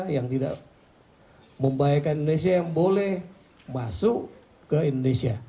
yang tidak membahayakan indonesia yang boleh masuk ke indonesia